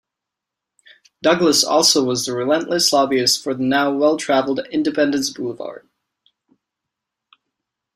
Douglas also was the relentless lobbyist for the now well-traveled Independence Boulevard.